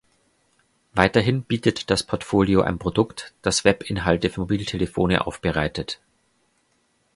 Weiterhin bietet das Portfolio ein Produkt, das Webinhalte für Mobiltelefone aufbereitet.